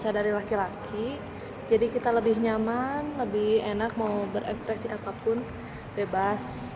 bisa dari laki laki jadi kita lebih nyaman lebih enak mau berekspresi apapun bebas